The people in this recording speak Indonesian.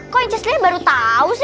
kok incesly baru tau sih